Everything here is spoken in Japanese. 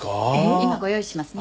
今ご用意しますね。